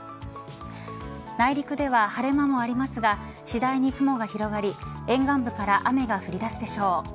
内陸では晴れ間もありますが次第に雲が広がり沿岸部から雨が降り出すでしょう。